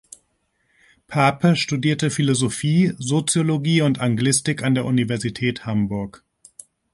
Pape studierte Philosophie, Soziologie und Anglistik an der Universität Hamburg.